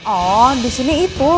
oh disini itu